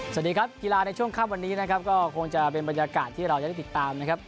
สวัสดีครับกีฬาในช่วงค่ำวันนี้นะครับก็คงจะเป็นบรรยากาศที่เราจะได้ติดตามนะครับ